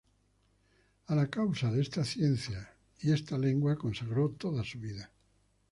A la causa de esta ciencia y esta lengua consagró toda su vida.